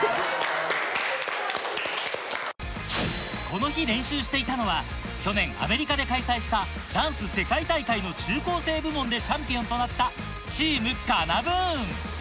この日練習していたのは去年アメリカで開催したダンス世界大会の中高生部門でチャンピオンとなったチームＫＡＮＡーＢＯＯＮ！